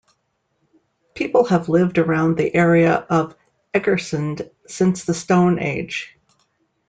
People have lived around the area of Egersund since the stone age.